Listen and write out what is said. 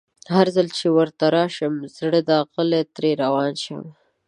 هرځل چي ورته راشم زړه داغلی ترې روان شم